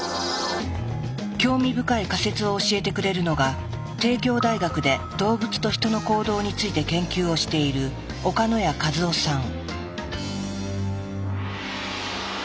興味深い仮説を教えてくれるのが帝京大学で動物とヒトの行動について研究をしている岡ノ谷一夫さん。